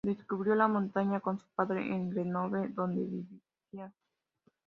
Descubrió la montaña con su padre en Grenoble donde vivían.